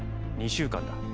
２週間だ。